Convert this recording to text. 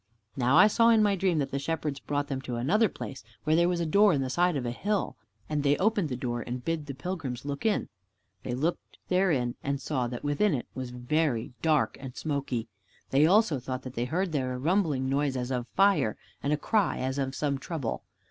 Now I saw in my dream that the Shepherds brought them to another place, where was a door in the side of a hill, and they opened the door and bid the pilgrims look in. They looked in therefore and saw that within it was very dark and smoky. They also thought that they heard there a rumbling noise as of fire, and a cry as of some in trouble.